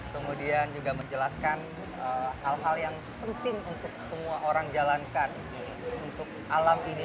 kemudian juga menjelaskan hal hal yang penting untuk semua orang jalankan untuk alam ini